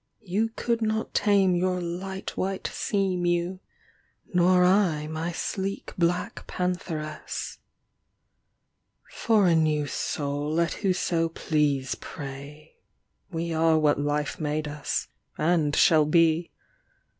You could not tame your light white sea mew, Nor I my sleek black pantheress. For a new soul let whoso please pray, We are what life made us, and shall be.